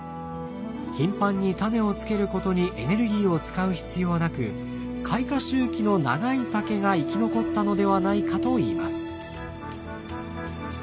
頻繁にタネをつけることにエネルギーを使う必要はなく開花周期の長い竹が生き残ったのではないかといいます。